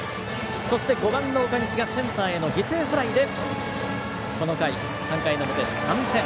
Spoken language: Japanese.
そして５番の岡西がセンターへの犠牲フライでこの回、３回の表、３点。